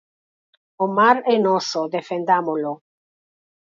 O mar é noso defendámolo.